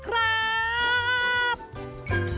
โปรดติดตามตอนต่อไป